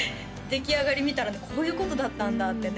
出来上がり見たらねこういうことだったんだってね